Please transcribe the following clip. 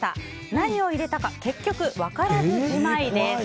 何を入れたか結局分からずじまいです。